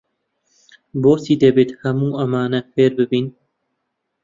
بۆچی دەبێت هەموو ئەمانە فێر ببین؟